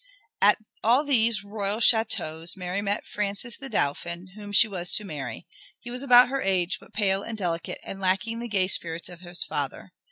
At all these royal châteaux Mary met Francis the Dauphin, whom she was to marry. He was about her age, but pale and delicate, and lacking the gay spirits of his father.